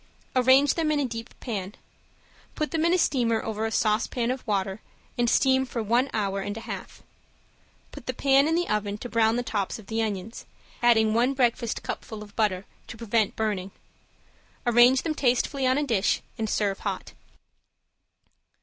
Arrange them in a deep pan. Put them in a steamer over a saucepan of water and steam for one hour and a half. Put the pan in the oven to brown the tops of the onions, adding one breakfast cupful of butter to prevent burning. Arrange them tastefully on a dish, and serve hot.